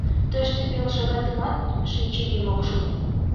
Тыште пел шагатымат шинчымем ок шу.